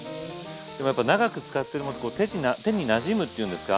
でもやっぱ長く使ってるものって手になじむっていうんですか。